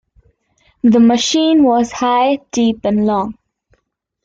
The machine was high, deep and long.